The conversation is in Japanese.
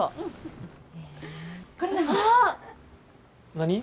何？